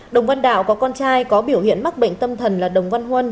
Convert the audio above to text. đồng văn đạo có con trai có biểu hiện mắc bệnh tâm thần là đồng văn huân